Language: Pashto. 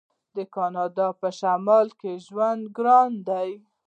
د کاناډا په شمال کې ژوند ګران دی.